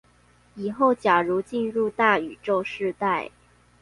以後假如進入大宇宙時代